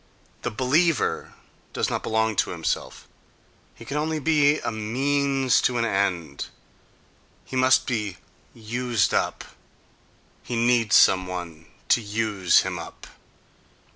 The "believer" does not belong to himself; he can only be a means to an end; he must be used up; he needs some one to use him up.